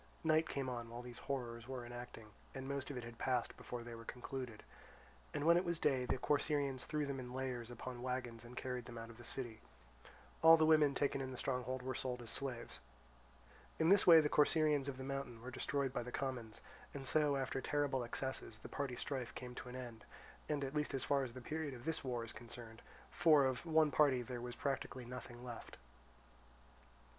Night came on while these horrors were enacting, and most of it had passed before they were concluded. When it was day the Corcyraeans threw them in layers upon wagons and carried them out of the city. All the women taken in the stronghold were sold as slaves. In this way the Corcyraeans of the mountain were destroyed by the commons; and so after terrible excesses the party strife came to an end, at least as far as the period of this war is concerned, for of one party there was practically nothing left.